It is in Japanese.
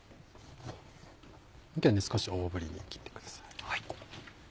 少し大ぶりに切ってください。